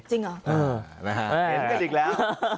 จริงเหรอเออนะฮะเห็นกันอีกแล้ว